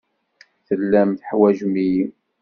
Tellam teḥwajem-iyi.